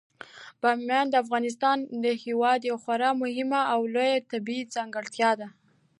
بامیان د افغانستان هیواد یوه خورا مهمه او لویه طبیعي ځانګړتیا ده.